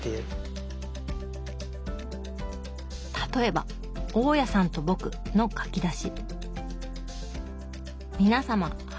例えば「大家さんと僕」の書き出し。